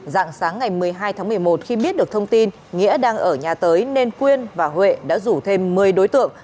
dạng sáng ngày một mươi hai tháng một mươi một khi biết được thông tin nghĩa đang ở nhà tới nên quyên và huệ đã rủ thêm một mươi đối tượng